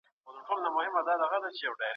بل سړي به خرما راوړله، بل سړي به کوچي راوړله.